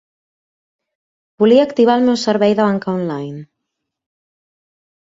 Volia activar el meu servei de banca online.